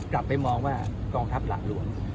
กลับไปมองว่ากองทัพหลักหลวง